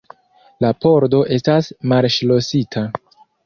La pordo estas malŝlosita.